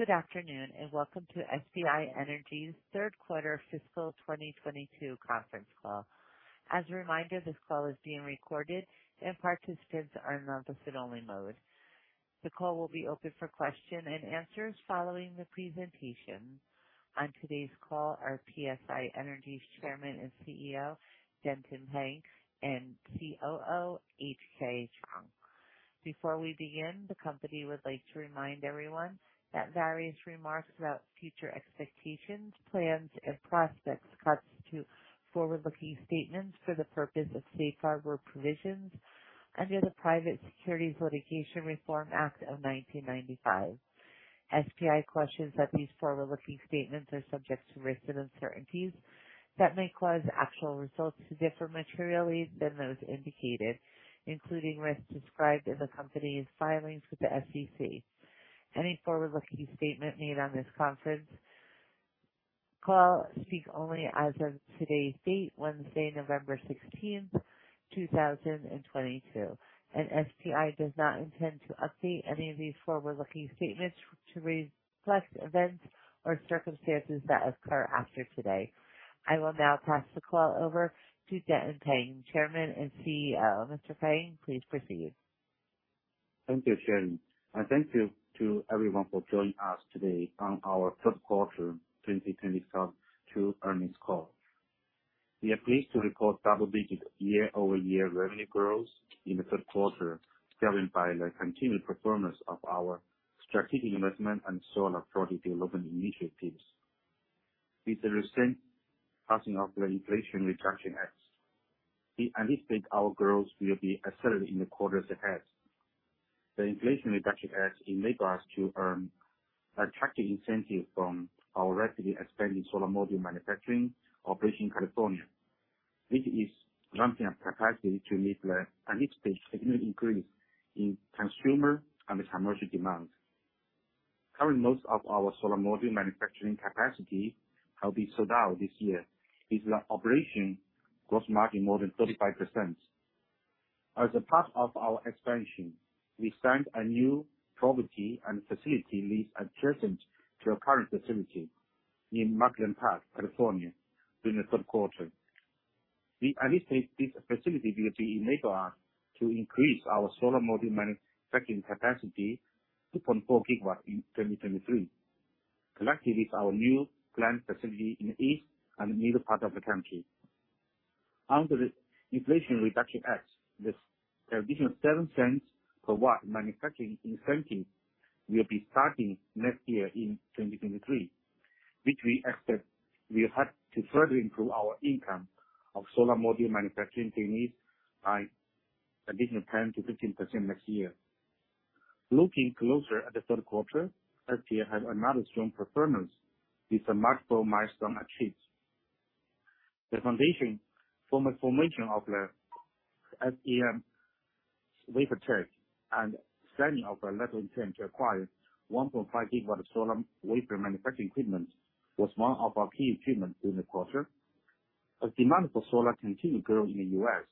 Good afternoon, and welcome to SPI Energy's third quarter fiscal 2022 conference call. As a reminder, this call is being recorded, and participants are in listen-only mode. The call will be open for question and answers following the presentation. On today's call are SPI Energy's Chairman and CEO, Xiaofeng Peng, and COO, Hoong Khoeng Cheong. Before we begin, the company would like to remind everyone that various remarks about future expectations, plans and prospects constitute forward-looking statements for the purpose of safe harbor provisions under the Private Securities Litigation Reform Act of 1995. SPI cautions that these forward-looking statements are subject to risks and uncertainties that may cause actual results to differ materially than those indicated, including risks described in the company's filings with the SEC. Any forward-looking statement made on this conference call speaks only as of today's date, Wednesday, November 16th, 2022, and SPI does not intend to update any of these forward-looking statements to reflect events or circumstances that occur after today. I will now pass the call over to Xiaofeng Peng, Chairman and CEO. Mr. Peng, please proceed. Thank you, Sherry, and thank you to everyone for joining us today on our third quarter 2022 earnings call. We are pleased to report double-digit year-over-year revenue growth in the third quarter, driven by the continued performance of our strategic investment and solar project development initiatives. With the recent passing of the Inflation Reduction Act, we anticipate our growth will be accelerated in the quarters ahead. The Inflation Reduction Act enable us to earn attractive incentive from our rapidly expanding solar module manufacturing operation in California, which is ramping up capacity to meet the anticipated significant increase in consumer and commercial demand. Currently, most of our solar module manufacturing capacity have been sold out this year, with the operation gross margin more than 35%. As part of our expansion, we signed a new property and facility lease adjacent to our current facility in McClellan Park, California, during the third quarter. We anticipate this facility will enable us to increase our solar module manufacturing capacity to 2.4 GW in 2023, collectively with our new plant facility in the east and middle part of the country. Under the Inflation Reduction Act, this additional $0.07 per watt manufacturing incentive will be starting next year in 2023, which we expect will help to further improve our income of solar module manufacturing business by additional 10%-15% next year. Looking closer at the third quarter, SPI had another strong performance with some multiple milestones achieved. The foundation for the formation of the SEM Wafertech and signing of a letter of intent to acquire 1.5 GW solar wafer manufacturing equipment was one of our key achievements in the quarter. As demand for solar continue growing in the U.S.,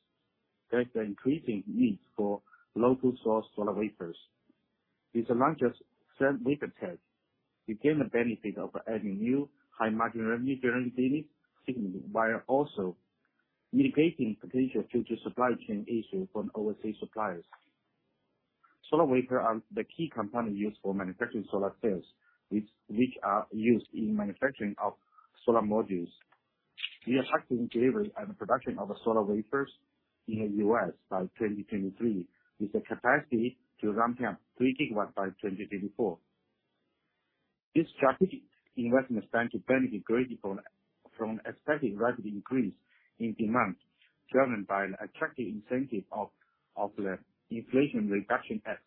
there is an increasing need for local source solar wafers. With the launch of SEM Wafertech, we gain the benefit of adding new high-margin revenue-generating business segment, while also mitigating potential future supply chain issues from overseas suppliers. Solar wafer are the key component used for manufacturing solar cells, which are used in manufacturing of solar modules. We are targeting delivery and production of solar wafers in the U.S. by 2023, with the capacity to ramp up 3 GW by 2024. This strategic investment is bound to benefit greatly from expected rapid increase in demand, driven by an attractive incentive of the Inflation Reduction Act,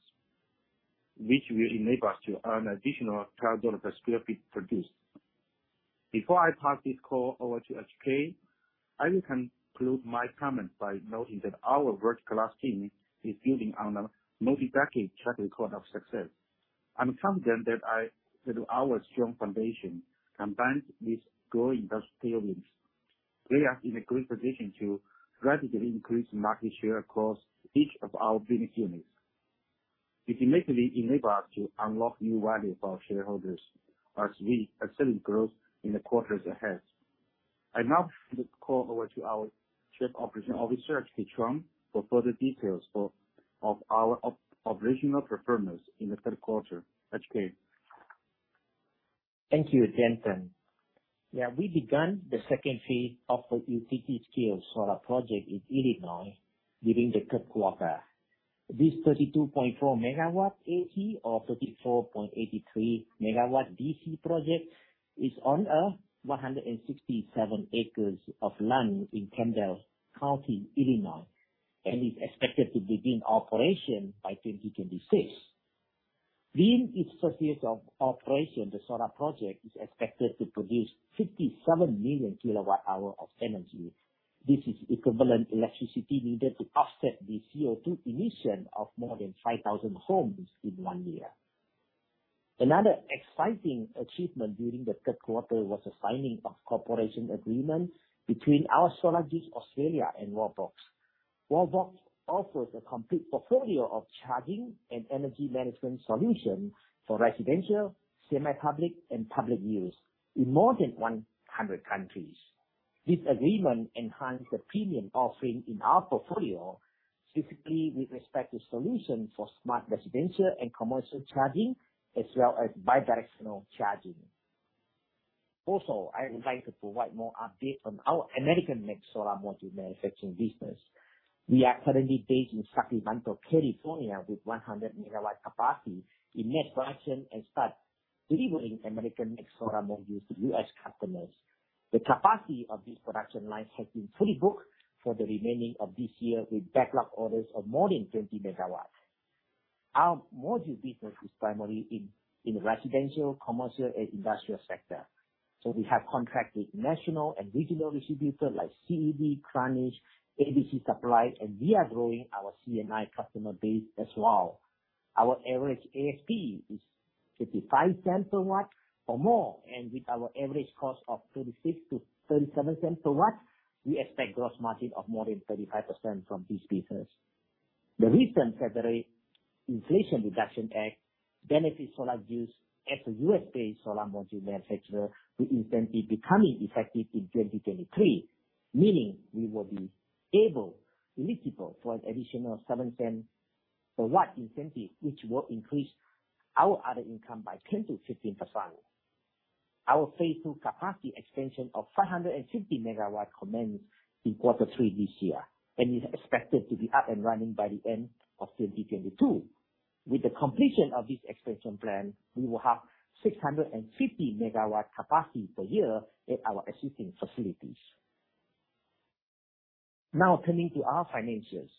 which will enable us to earn additional $12 per sq ft produced. Before I pass this call over to HK, I will conclude my comments by noting that our world-class team is building on a multi-decade track record of success. I'm confident that with our strong foundation, combined with growing industrial links, we are in a good position to gradually increase market share across each of our business units. This ultimately enable us to unlock new value for our shareholders as we accelerate growth in the quarters ahead. I now turn the call over to our Chief Operating Officer, HK Cheong, for further details of our operational performance in the third quarter. HK. Thank you, Denton. Yeah, we begun the second phase of the utility-scale solar project in Illinois during the third quarter. This 32.4 MW AC or 34.83 MW DC project is on 167 acres of land in Kendall County, Illinois, and is expected to begin operation by 2026. During its first year of operation, the solar project is expected to produce 57 million kWh of energy. This is equivalent electricity needed to offset the CO2 emission of more than 5,000 homes in one year. Another exciting achievement during the third quarter was the signing of cooperation agreement between our Solar4America and Wallbox. Wallbox offers a complete portfolio of charging and energy management solutions for residential, semi-public and public use in more than 100 countries. This agreement enhances the premium offering in our portfolio, specifically with respect to solutions for smart residential and commercial charging, as well as bidirectional charging. I would like to provide more updates on our American-made solar module manufacturing business. We are currently based in Sacramento, California, with 100 MW capacity in mass production and start delivering American-made solar modules to U.S. customers. The capacity of this production line has been fully booked for the remaining of this year, with backlog orders of more than 20 MW. Our module business is primarily in residential, commercial, and industrial sector. We have contracted national and regional distributors like CED, Krannich Solar, ABC Supply, and we are growing our C&I customer base as well. Our average ASP is $0.55/W or more, and with our average cost of $0.36-$0.37/W, we expect gross margin of more than 35% from this business. The recent February Inflation Reduction Act benefits Solar4America as a U.S.-based solar module manufacturer with incentive becoming effective in 2023, meaning we will be eligible for an additional $0.07/W incentive, which will increase our other income by 10%-15%. Our phase two capacity expansion of 550 MW commenced in quarter three this year, and is expected to be up and running by the end of 2022. With the completion of this expansion plan, we will have 650 MW capacity per year at our existing facilities. Now turning to our financials.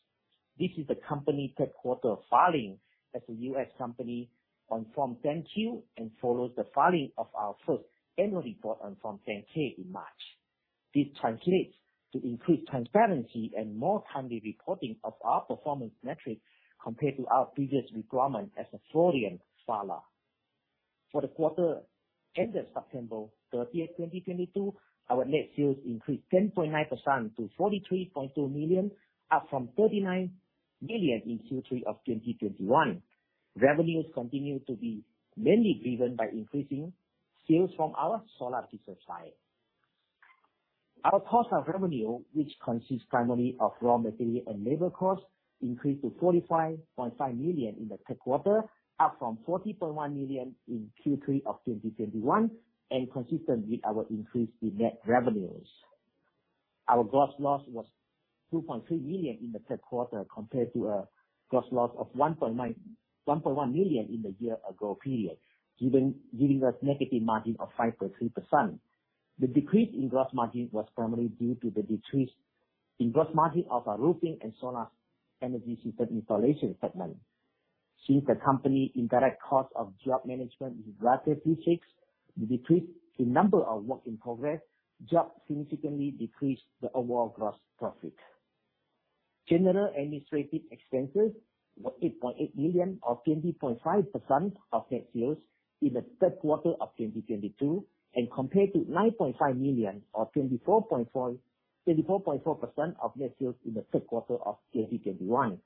This is the company's third quarter filing as a U.S. company on Form 10-Q, and follows the filing of our first annual report on Form 10-K in March. This translates to increased transparency and more timely reporting of our performance metrics compared to our previous requirement as a foreign filer. For the quarter ended September 30, 2022, our net sales increased 10.9% to $43.2 million, up from $39 million in Q3 of 2021. Revenues continue to be mainly driven by increasing sales from our solar business line. Our cost of revenue, which consists primarily of raw material and labor costs, increased to $45.5 million in the third quarter, up from $40.1 million in Q3 of 2021, and consistent with our increase in net revenues. Our gross loss was $2.3 million in the third quarter compared to a gross loss of $1.1 million in the year ago period, giving us negative margin of 5.3%. The decrease in gross margin was primarily due to the decrease in gross margin of our roofing and solar energy system installation segment. Since the company indirect cost of job management is relatively fixed, the decrease in number of work-in-progress jobs significantly decreased the overall gross profit. General administrative expenses were $8.8 million or 20.5% of net sales in the third quarter of 2022, and compared to $9.5 million or 24.4% of net sales in the third quarter of 2021.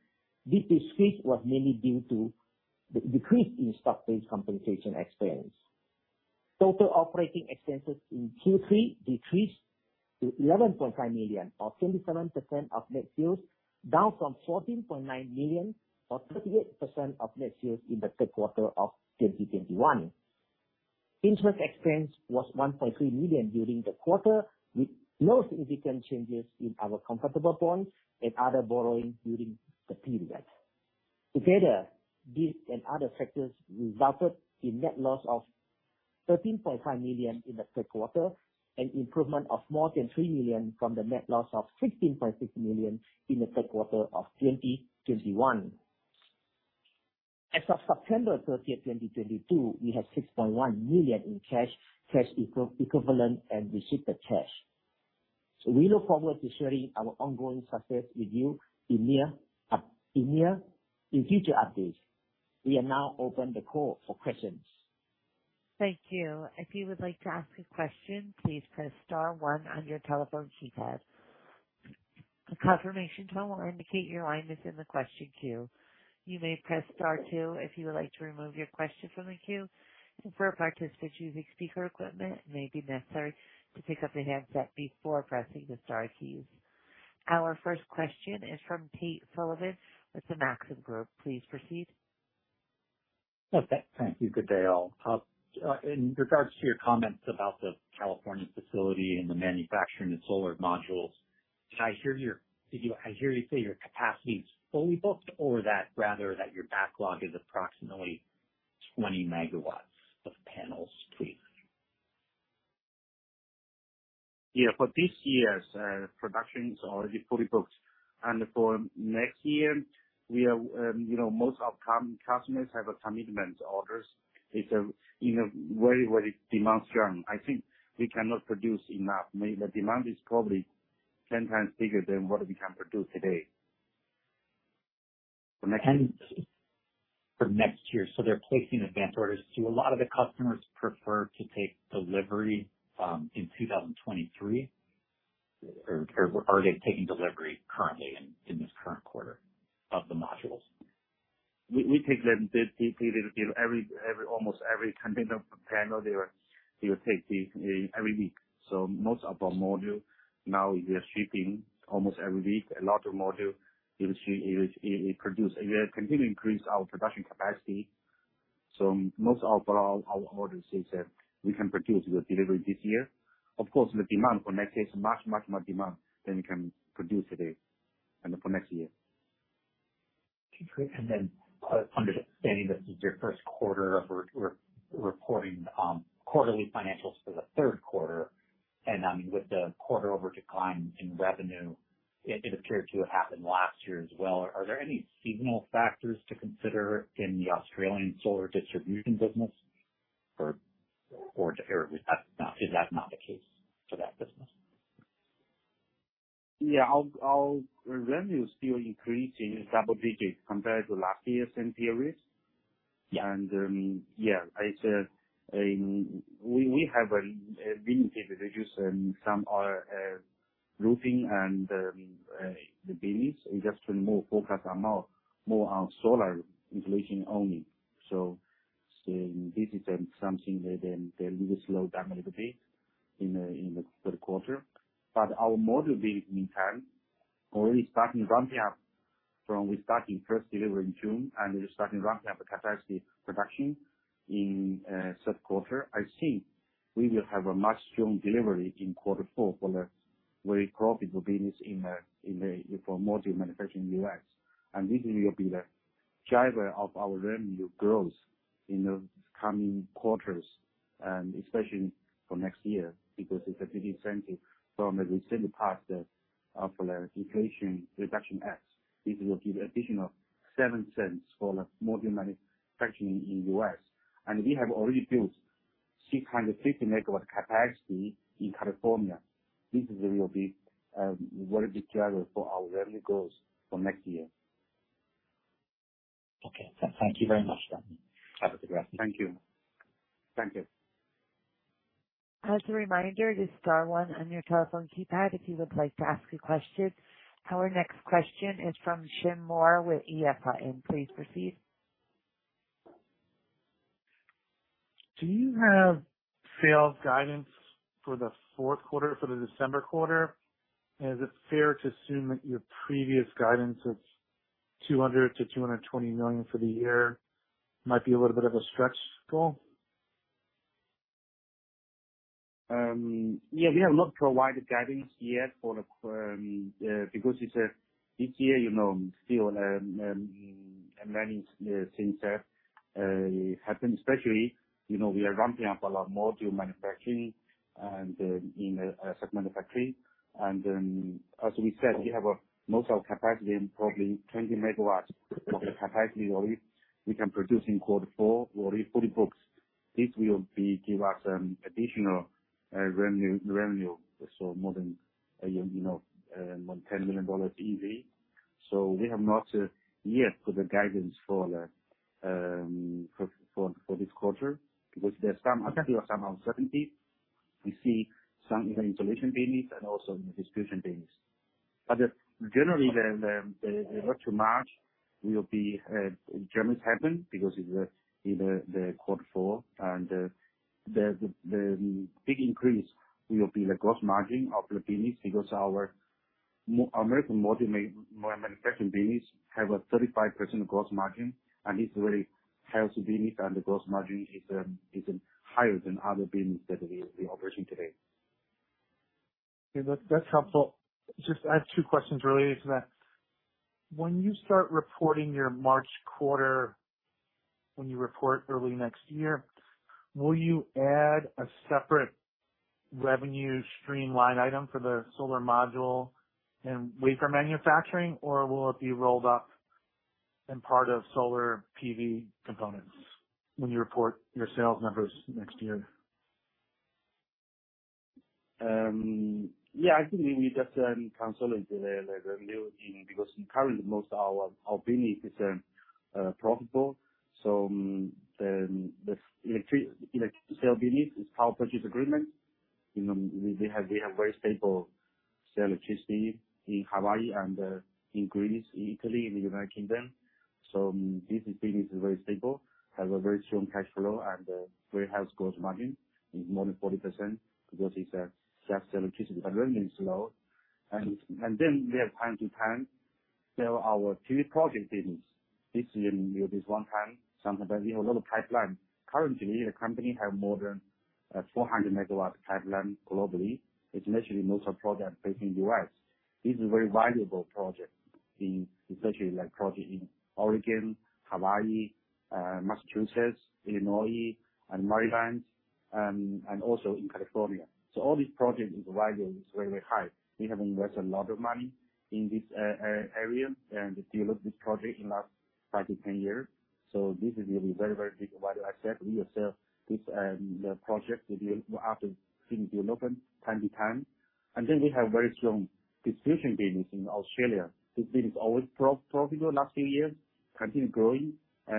This decrease was mainly due to the decrease in stock-based compensation expense. Total operating expenses in Q3 decreased to $11.5 million or 27% of net sales, down from $14.9 million or 38% of net sales in the third quarter of 2021. Interest expense was $1.3 million during the quarter, with no significant changes in our convertible bonds and other borrowing during the period. Together, these and other factors resulted in net loss of $13.5 million in the third quarter, an improvement of more than $3 million from the net loss of $16.6 million in the third quarter of 2021. As of September 30, 2022, we have $6.1 million in cash and cash equivalents and restricted cash. We look forward to sharing our ongoing success with you in future updates. We are now opening the call for questions. Thank you. If you would like to ask a question, please press star one on your telephone keypad. A confirmation tone will indicate your line is in the question queue. You may press star two if you would like to remove your question from the queue. For participants using speaker equipment, it may be necessary to pick up the handset before pressing the star keys. Our first question is from Tate Sullivan with the Maxim Group. Please proceed. Okay, thank you. Good day, all. In regards to your comments about the California facility and the manufacturing of solar modules, I hear you say your capacity is fully booked or rather that your backlog is approximately 20 MW of panels, please? Yeah. For this year's production is already fully booked. For next year we are, you know, most of customers have commitment orders. It's in a very strong demand. I think we cannot produce enough. I mean, the demand is probably 10 times bigger than what we can produce today. For next year. They're placing advanced orders. Do a lot of the customers prefer to take delivery in 2023? Or are they taking delivery currently in this current quarter of the modules? We take them almost every container panel they will take them every week. Most of our module now we are shipping almost every week. A lot of module is produced. We are continuing to increase our production capacity, so most of our modules is we can produce and deliver this year. Of course, the demand for next year is much more demand than we can produce today and for next year. Then understanding this is your first quarter of re-reporting quarterly financials for the third quarter, I mean, with the quarter-over-quarter decline in revenue, it appeared to have happened last year as well. Are there any seasonal factors to consider in the Australian solar distribution business or is that not the case for that business? Yeah. Our revenue is still increasing double digits compared to last year's same period. Yeah. We have been able to reduce some of our roofing and the business and just to focus more on solar installation only. This is something that will slow down a little bit in the third quarter. Our module business in turn is already starting to ramp up from our first delivery in June, and we're starting to ramp up the capacity production in third quarter. I think we will have a much stronger delivery in quarter four for the very profitable business in module manufacturing in U.S. This will be the driver of our revenue growth in the coming quarters and especially for next year because of the big incentive from the recently passed Inflation Reduction Act. This will give additional $0.07 for the module manufacturing in U.S. We have already built 650 MW capacity in California. This will be driver for our revenue goals for next year. Okay. Thank you very much. Thank you. Thank you. As a reminder to star one on your telephone keypad if you would like to ask a question. Our next question is from Tim Moore with EF Hutton. Please proceed. Do you have sales guidance for the fourth quarter, for the December quarter? Is it fair to assume that your previous guidance of $200 million-$220 million for the year might be a little bit of a stretch goal? Yeah, we have not provided guidance yet for the because it's this year, you know, still many things have happened, especially, you know, we are ramping up a lot module manufacturing and in the Sacramento factory. As we said, we have most of capacity in probably 20 MW of capacity already we can produce in quarter four already fully booked. This will give us an additional revenue, so more than, you know, $10 million easy. We have not yet put a guidance for this quarter because there's some uncertainty. We see some in the installation business and also in the distribution business. Generally the March will be dramatically happen because it's the quarter four and the big increase will be the gross margin of the business because our American module manufacturing business have a 35% gross margin, and this very healthy business and the gross margin is higher than other business that we operate today. Okay. That's helpful. Just I have two questions related to that. When you start reporting your March quarter, when you report early next year, will you add a separate revenue stream line item for the solar module and wafer manufacturing, or will it be rolled up in part of solar PV components when you report your sales numbers next year? Yeah, I think we just consolidate the revenue in because currently most our business is profitable. The electricity sale business is power purchase agreement. You know, we have very stable sale of electricity in Hawaii and in Greece, in Italy, in the United Kingdom. This business is very stable, has a very strong cash flow and a very high gross margin. It's more than 40% because it's a sure sale of electricity. The revenue is low. Then we have from time to time sell our PV project business. This is one time. Sometimes we have a lot of pipeline. Currently, the company have more than 400 MW pipeline globally. It's actually most of the project based in U.S. This is very valuable project in, especially like project in Oregon, Hawaii, Massachusetts, Illinois, and Maryland, and also in California. All these projects, the value is very, very high. We have invested a lot of money in this area and develop this project in the last 5-10 years. This will be very, very big value. I said we will sell this, the project will be after finished development from time to time. We have very strong distribution business in Australia. This business always profitable last few years, continue growing,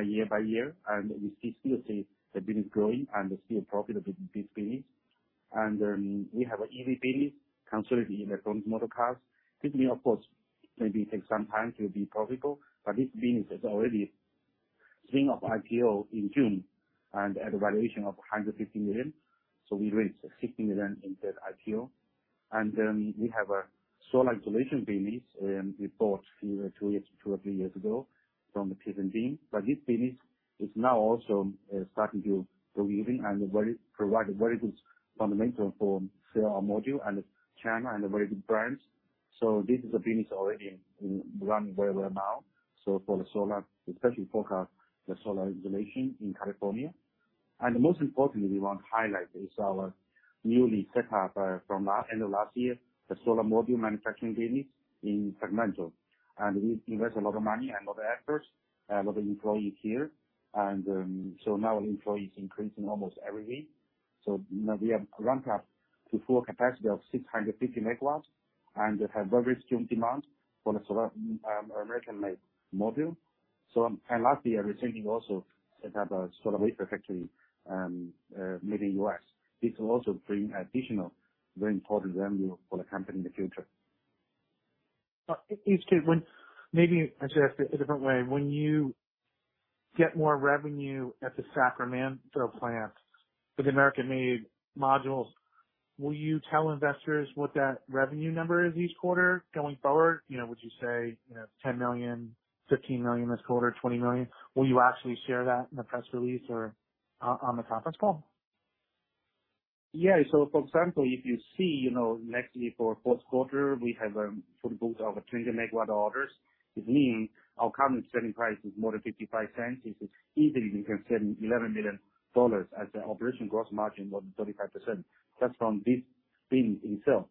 year by year. We see the business growing and still profitable, this business. We have EV business, Phoenix Motorcars. This means of course maybe take some time to be profitable, but this business has already spun-off IPO in June and at a valuation of $150 million. We raised $60 million in that IPO. We have a solar installation business, we bought it two or three years ago. This business is now also starting to grow and provide a very good foundation for selling our module in China and the very good brands. This is a business already running very well now. For the solar, especially focus the solar installation in California. Most importantly we want to highlight is our newly set up, end of last year, the solar module manufacturing business in Sacramento. We invest a lot of money and a lot of efforts, a lot of employees here. Now employees increasing almost every week. You know, we have ramped up to full capacity of 650 MW and have very strong demand for the solar, American-made module. Last year we're thinking also set up a solar wafer factory, made in U.S. This will also bring additional very important revenue for the company in the future. HK, when you get more revenue at the Sacramento plant with American-made modules, will you tell investors what that revenue number is each quarter going forward? You know, would you say, you know, $10 million, $15 million this quarter, $20 million? Will you actually share that in the press release or on the conference call? Yeah. For example, if you see, you know, lastly for fourth quarter, we have full books of 20 MW orders. It means our current selling price is more than $0.55. It's easily we can sell $11 million as the operating gross margin of 35% just from this business itself.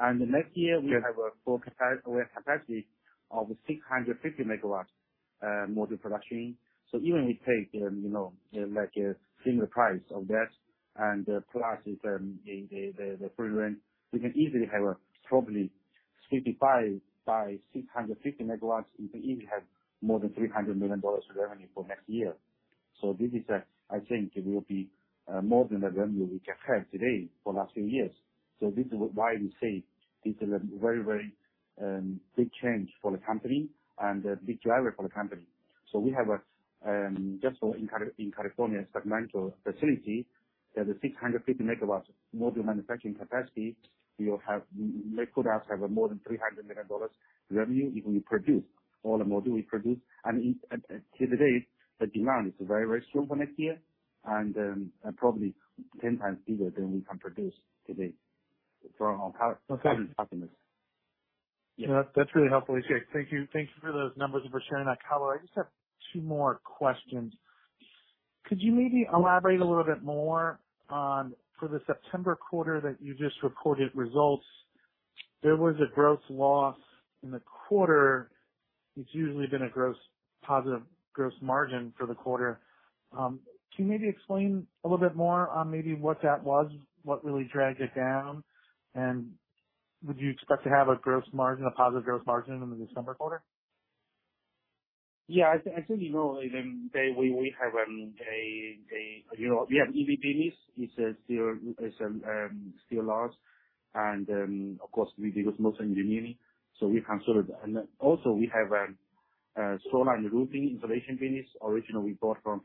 Next year we have a full capacity of 650 MW module production. Even we take, you know, like, a similar price of that and plus the premium, we can easily have probably $0.65 by 650 MW. We can easily have more than $300 million revenue for next year. This is. I think it will be more than the revenue we just had today for last few years. This is why we say this is a very big change for the company and a big driver for the company. We have a just in Sacramento, California facility that is 650 MW module manufacturing capacity. We'll have make products have more than $300 million revenue if we produce all the module we produce. Today the demand is very strong for next year and probably 10 times bigger than we can produce today for our power. Okay. Happiness. Yeah. That's really helpful, HK. Thank you. Thank you for those numbers and for sharing that color. I just have two more questions. Could you maybe elaborate a little bit more on, for the September quarter that you just reported results, there was a gross loss in the quarter. It's usually been a gross positive, gross margin for the quarter. Can you maybe explain a little bit more on maybe what that was, what really dragged it down? And would you expect to have a gross margin, a positive gross margin in the December quarter? I think, you know, even the—we have EV business is still loss and, of course with the engineering, so we considered. Also we have a solar and roofing installation business originally we bought from.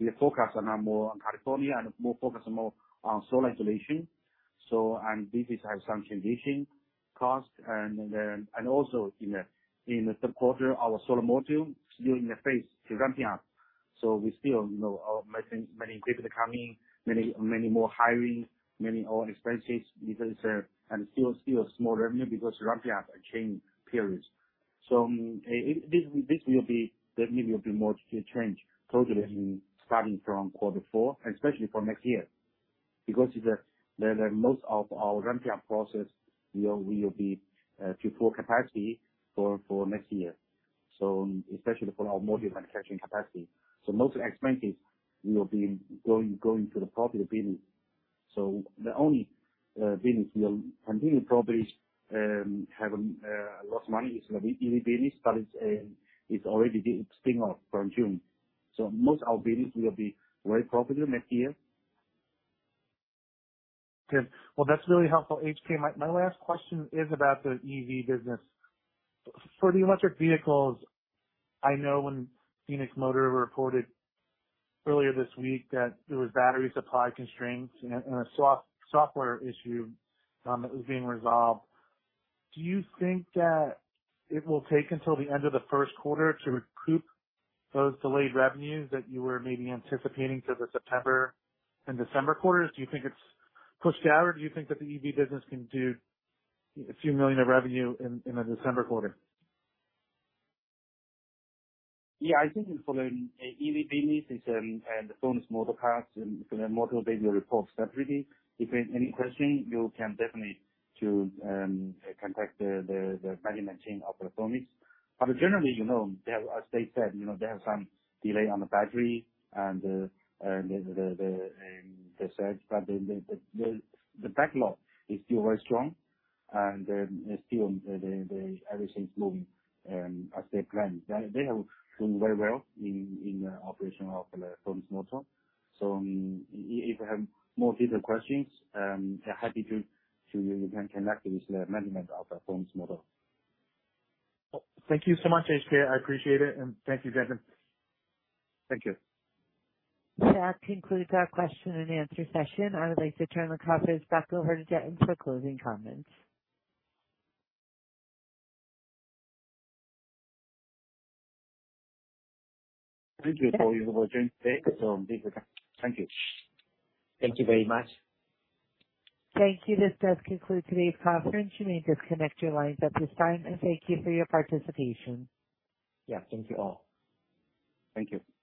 We are focused on more on California and more focused on solar installation. This has some transition cost. Also in the third quarter, our solar module still in the phase of ramping up. We still, you know, are making many equipment coming, many more hiring, many ongoing expenses because small revenue because ramped up change periods. This will be definitely more change totally starting from quarter four, especially for next year because the most of our ramp up process, we will be to full capacity for next year. Especially for our module manufacturing capacity. Most expenses will be going to the profit business. The only business will continue probably having lost money is the EV business, but it's already spin off from June. Most our business will be very profitable next year. Okay. Well, that's really helpful, HK. My last question is about the EV business. For the electric vehicles, I know when Phoenix Motorcars reported earlier this week that there was battery supply constraints and a software issue that was being resolved. Do you think that it will take until the end of the first quarter to recoup those delayed revenues that you were maybe anticipating for the September and December quarters? Do you think it's pushed out or do you think that the EV business can do a few million of revenue in the December quarter? Yeah, I think for the EV business is the Phoenix Motorcars and the module business reports separately. If you have any question, you can definitely to contact the management team of the Phoenix Motorcars. Generally, you know, they have, as they said, you know, they have some delay on the battery and the chassis. The backlog is still very strong and still everything's moving as they planned. They have done very well in the operation of the Phoenix Motorcars. If you have more detailed questions, they're happy you can connect with the management of the Phoenix Motorcars. Thank you so much, HK. I appreciate it and thank you, gentlemen. Thank you. That concludes our question and answer session. I would like to turn the conference back over to Denton Peng for closing comments. Thank you for your joining today. Thank you. Thank you very much. Thank you. This does conclude today's conference. You may disconnect your lines at this time, and thank you for your participation. Yeah. Thank you all. Thank you. Bye.